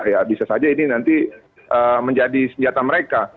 ya bisa saja ini nanti menjadi senjata mereka